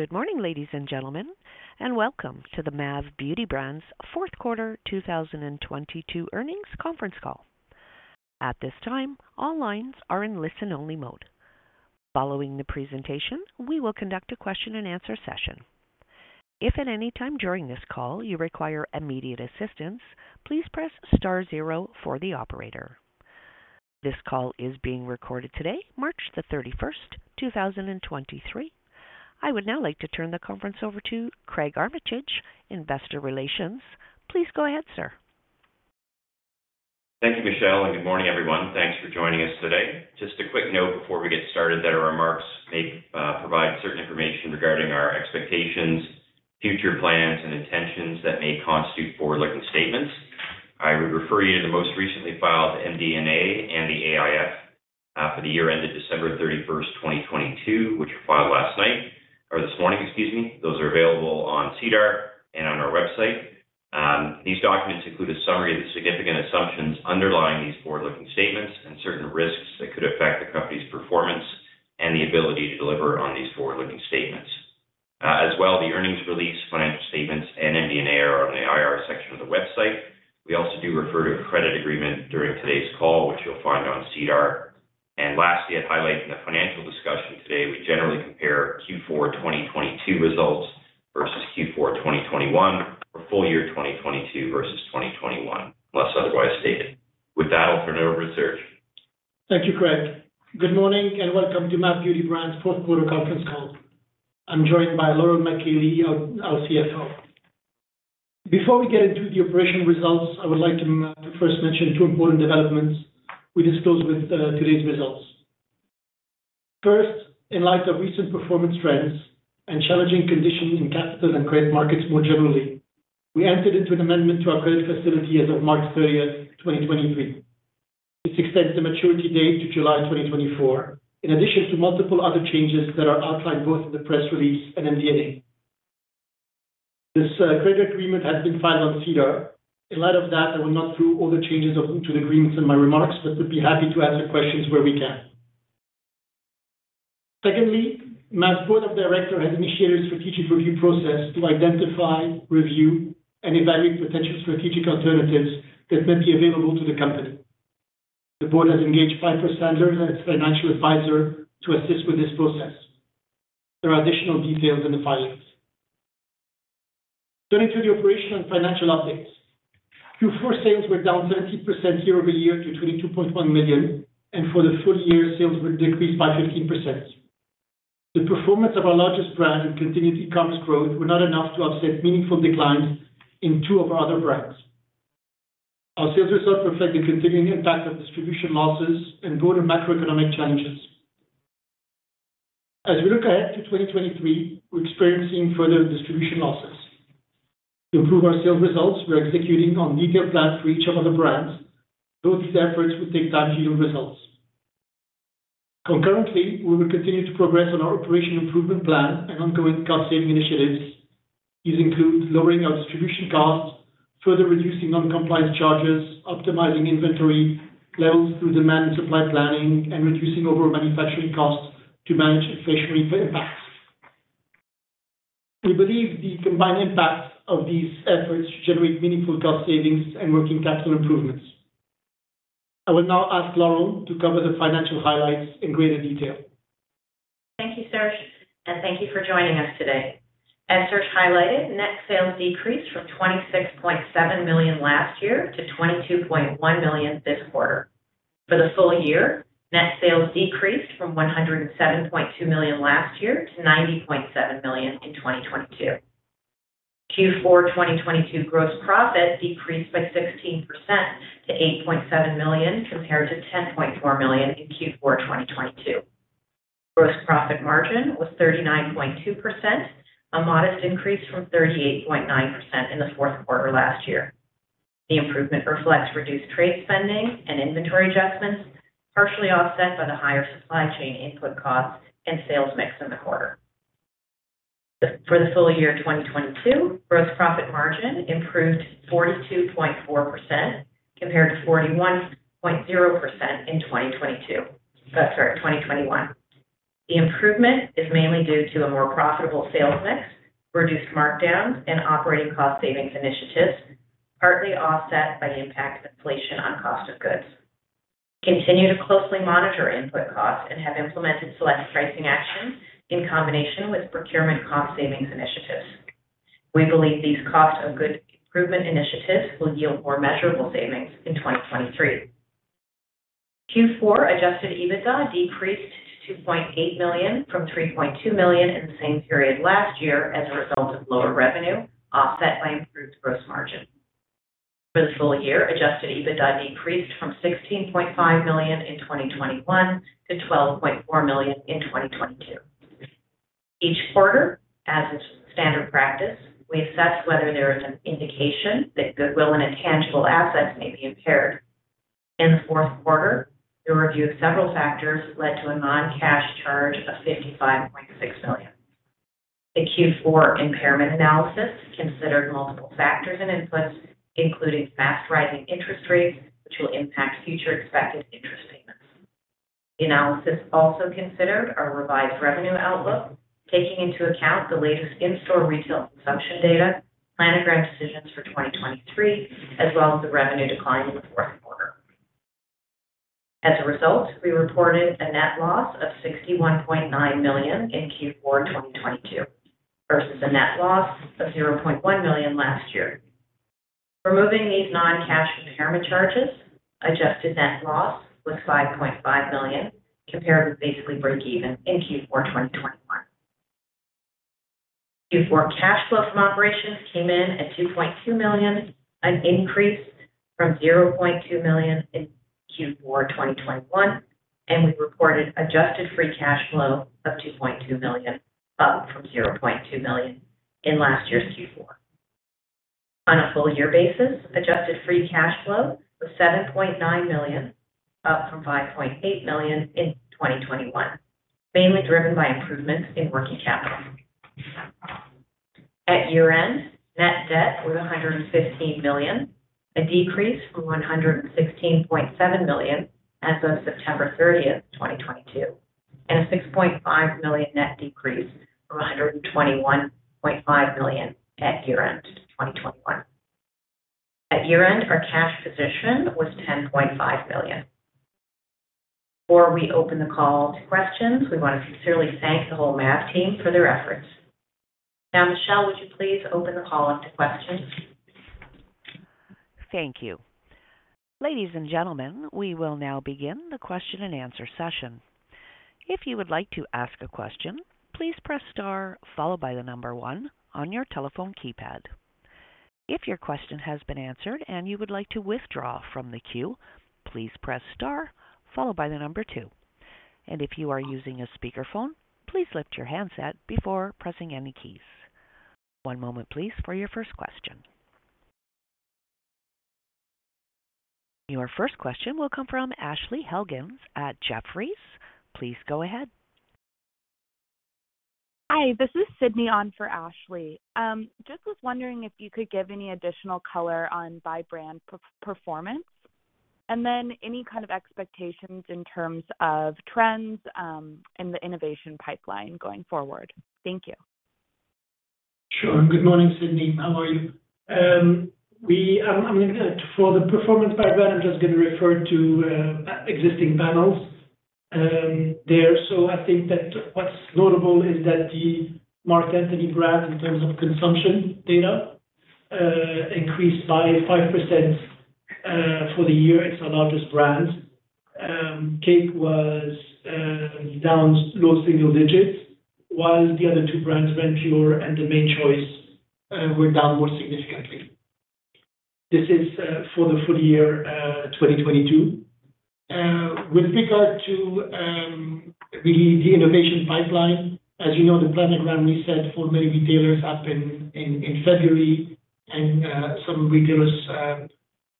Good morning, ladies and gentlemen, welcome to the MAV Beauty Brands fourth quarter 2022 earnings conference call. At this time, all lines are in listen-only mode. Following the presentation, we will conduct a question and answer session. If at any time during this call you require immediate assistance, please press star zero for the operator. This call is being recorded today, March the thirty-first, 2023. I would now like to turn the conference over to Craig Armitage, Investor Relations. Please go ahead, sir. Thank you, Michelle. Good morning, everyone. Thanks for joining us today. Just a quick note before we get started that our remarks may provide certain information regarding our expectations, future plans and intentions that may constitute forward-looking statements. I would refer you to the most recently filed MD&A and the AIF for the year ended December 31st, 2022, which were filed last night or this morning, excuse me. Those are available on SEDAR and on our website. These documents include a summary of the significant assumptions underlying these forward-looking statements and certain risks that could affect the company's performance and the ability to deliver on these forward-looking statements. As well, the earnings release, financial statements and MD&A are on the IR section of the website. We also do refer to a credit agreement during today's call, which you'll find on SEDAR. Lastly, I'd highlight in the financial discussion today, we generally compare Q4 2022 results versus Q4 2021 or full year 2022 versus 2021, unless otherwise stated. With that, I'll turn it over to Serge. Thank you, Craig. Good morning and welcome to MAV Beauty Brands fourth quarter conference call. I'm joined by Laurel MacKay-Lee, our CFO. Before we get into the operational results, I would like to first mention two important developments we disclose with today's results. First, in light of recent performance trends and challenging conditions in capital and credit markets more generally, we entered into an amendment to our credit facility as of March 30th, 2023, which extends the maturity date to July 2024, in addition to multiple other changes that are outlined both in the press release and MD&A. This credit agreement has been filed on SEDAR. In light of that, I will not go through all the changes to the agreements in my remarks, but would be happy to answer questions where we can. MAV's board of directors has initiated a strategic review process to identify, review, and evaluate potential strategic alternatives that may be available to the company. The board has engaged Piper Sandler as its financial advisor to assist with this process. There are additional details in the filings. Turning to the operational and financial updates. Q4 sales were down 13% year-over-year to 22.1 million, and for the full year, sales were decreased by 15%. The performance of our largest brand and continued e-commerce growth were not enough to offset meaningful declines in two of our other brands. Our sales results reflect the continuing impact of distribution losses and broader macroeconomic challenges. As we look ahead to 2023, we're experiencing further distribution losses. To improve our sales results, we're executing on detailed plans for each of other brands, though these efforts will take time to yield results. Concurrently, we will continue to progress on our operational improvement plan and ongoing cost-saving initiatives. These include lowering our distribution costs, further reducing non-compliance charges, optimizing inventory levels through demand and supply planning, and reducing overall manufacturing costs to manage inflationary impacts. We believe the combined impacts of these efforts generate meaningful cost savings and working capital improvements. I will now ask Laurel to cover the financial highlights in greater detail. Thank you, Serge, thank you for joining us today. As Serge highlighted, net sales decreased from 26.7 million last year to 22.1 million this quarter. For the full year, net sales decreased from 107.2 million last year to 90.7 million in 2022. Q4 2022 gross profit decreased by 16% to 8.7 million compared to 10.4 million in Q4 2022. Gross profit margin was 39.2%, a modest increase from 38.9% in the fourth quarter last year. The improvement reflects reduced trade spending and inventory adjustments, partially offset by the higher supply chain input costs and sales mix in the quarter. For the full year 2022, gross profit margin improved 42.4% compared to 41.0% in 2022. That's right, 2021. The improvement is mainly due to a more profitable sales mix, reduced markdowns, operating cost savings initiatives, partly offset by the impact of inflation on cost of goods. We continue to closely monitor input costs and have implemented select pricing actions in combination with procurement cost savings initiatives. We believe these cost of goods improvement initiatives will yield more measurable savings in 2023. Q4 adjusted EBITDA decreased to 2.8 million from 3.2 million in the same period last year as a result of lower revenue, offset by improved gross margin. For the full year, adjusted EBITDA decreased from 16.5 million in 2021 to 12.4 million in 2022. Each quarter, as is standard practice, we assess whether there is an indication that goodwill and intangible assets may be impaired. In the fourth quarter, the review of several factors led to a non-cash charge of 55.6 million. The Q4 impairment analysis considered multiple factors and inputs, including fast-rising interest rates, which will impact future expected interest payments. The analysis also considered our revised revenue outlook, taking into account the latest in-store retail consumption data, planogram decisions for 2023, as well as the revenue decline in the fourth quarter. As a result, we reported a net loss of 61.9 million in Q4 2022, versus a net loss of 0.1 million last year. Removing these non-cash impairment charges, adjusted net loss was 5.5 million, compared with basically break even in Q4 2021. Q4 cash flow from operations came in at 2.2 million, an increase from 0.2 million in Q4 2021, and we reported adjusted free cash flow of 2.2 million, up from 0.2 million in last year's Q4. On a full year basis, adjusted free cash flow was 7.9 million, up from 5.8 million in 2021, mainly driven by improvements in working capital. At year-end, net debt was 115 million, a decrease from 116.7 million as of September 30, 2022, and a 6.5 million net decrease from 121.5 million at year-end 2021. At year-end, our cash position was 10.5 million. Before we open the call to questions, we want to sincerely thank the whole Mavs team for their efforts. Now, Michelle, would you please open the call up to questions? Thank you. Ladies and gentlemen, we will now begin the question-and-answer session. If you would like to ask a question, please press star followed by 1 on your telephone keypad. If your question has been answered and you would like to withdraw from the queue, please press star followed by 2. If you are using a speakerphone, please lift your handset before pressing any keys. One moment please for your first question. Your first question will come from Ashley Helgans at Jefferies. Please go ahead. Hi, this is Sydney on for Ashley. Just was wondering if you could give any additional color on by-brand performance, and then any kind of expectations in terms of trends in the innovation pipeline going forward. Thank you. Sure. Good morning, Sydney. How are you? For the performance pipeline, I'm just gonna refer to existing panels there. I think that what's notable is that the Marc Anthony brand, in terms of consumption data, increased by 5% for the year. It's our largest brand. Cake was down low single digits, while the other two brands, Renpure and The Mane Choice, were down more significantly. This is for the full year 2022. With regard to the innovation pipeline, as you know, the planogram we set for many retailers happened in February and some retailers,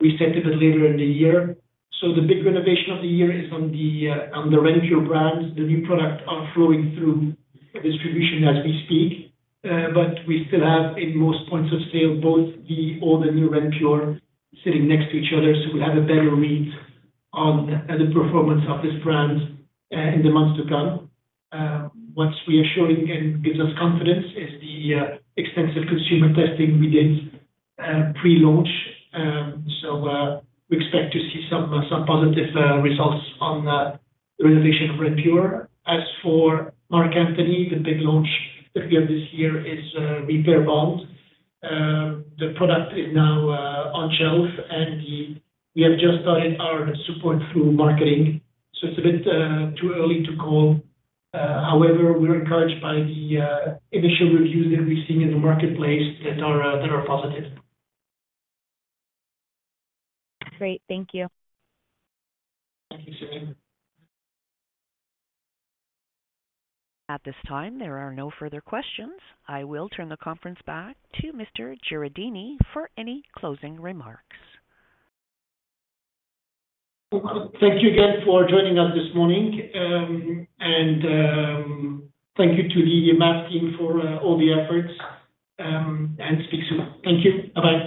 we set it a little later in the year. The big innovation of the year is on the Renpure brands. The new product are flowing through distribution as we speak. We still have in most points of sale, both the old and new Renpure sitting next to each other. We'll have a better read on the performance of this brand in the months to come. What's reassuring and gives us confidence is the extensive consumer testing we did pre-launch. We expect to see some positive results on the renovation of Renpure. As for Marc Anthony, the big launch that we have this year is Repair Bond. The product is now on shelf. We have just started our support through marketing, it's a bit too early to call. However, we're encouraged by the initial reviews that we've seen in the marketplace that are positive. Great. Thank you. Thank you, Sydney. At this time, there are no further questions. I will turn the conference back to Mr. Jureidini for any closing remarks. Thank you again for joining us this morning. Thank you to the Mavs team for all the efforts, and speak soon. Thank you. Bye-bye.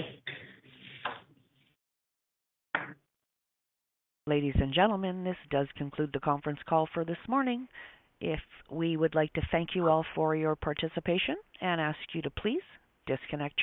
Ladies and gentlemen, this does conclude the conference call for this morning. We would like to thank you all for your participation and ask you to please disconnect your lines.